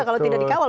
kalau tidak dikawal